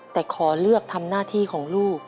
แต่ขอเลือกทำหน้าที่ของลูก